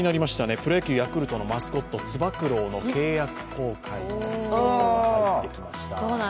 プロ野球・ヤクルトのマスコット、つば九郎の契約更改の情報が入ってきました。